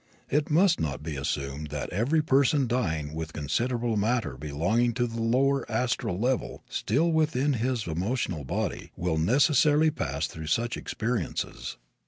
It must not be assumed that every person dying with considerable matter belonging to the lower astral level still within his emotional body will necessarily pass through such experiences.